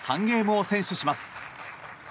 ３ゲームを先取します。